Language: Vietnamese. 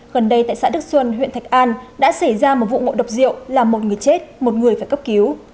gần đây tại xã đức xuân huyện thạch an đã xảy ra một vụ ngộ độc rượu làm một người chết một người phải cấp cứu